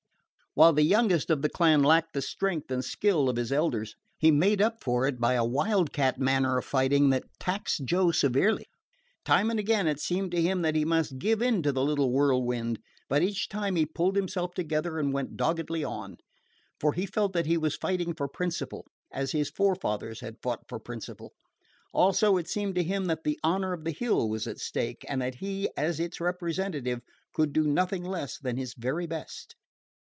While the youngest of the clan lacked the strength and skill of his elders, he made up for it by a wildcat manner of fighting that taxed Joe severely. Time and again it seemed to him that he must give in to the little whirlwind; but each time he pulled himself together and went doggedly on. For he felt that he was fighting for principle, as his forefathers had fought for principle; also, it seemed to him that the honor of the Hill was at stake, and that he, as its representative, could do nothing less than his very best.